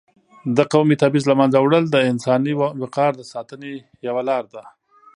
د قومي تبعیض له منځه وړل د انساني وقار د ساتنې یوه لار ده.